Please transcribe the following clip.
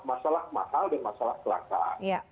masalah mahal dan masalah kelakaan